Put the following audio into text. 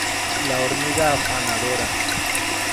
La Hormiga afanadora